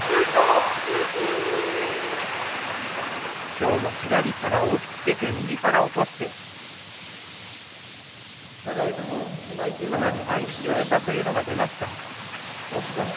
今日も左から押っつけて右から起こしてかなり合い口のよさというのが出ました。